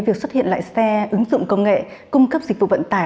việc xuất hiện loại xe ứng dụng công nghệ cung cấp dịch vụ vận tải